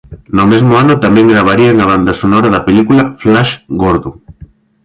No mesmo ano tamén gravarían a banda sonora da película "Flash Gordon".